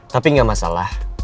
tapi nggak masalah